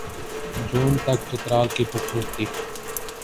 جون تک چترال کی خوبصورتی